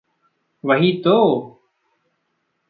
वही तो!